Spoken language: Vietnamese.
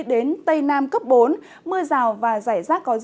đến tây nam cấp bốn mưa rào và rải rác có rông